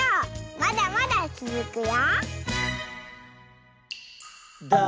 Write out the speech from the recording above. まだまだつづくよ！